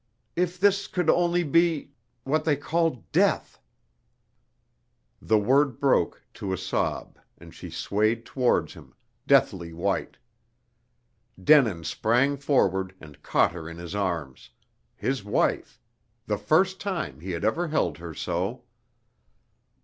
If this could only be what they call death!" The word broke, to a sob, and she swayed towards him, deathly white. Denin sprang forward, and caught her in his arms his wife the first time he had ever held her so.